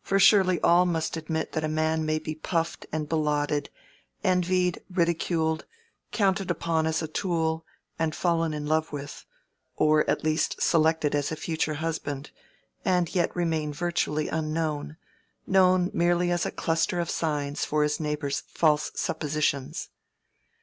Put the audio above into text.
For surely all must admit that a man may be puffed and belauded, envied, ridiculed, counted upon as a tool and fallen in love with, or at least selected as a future husband, and yet remain virtually unknown—known merely as a cluster of signs for his neighbors' false suppositions.